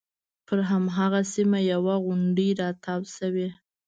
پر هماغه سیمه یوه غونډۍ راتاو شوې.